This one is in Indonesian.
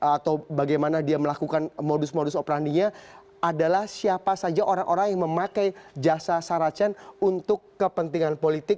atau bagaimana dia melakukan modus modus operandinya adalah siapa saja orang orang yang memakai jasa saracen untuk kepentingan politik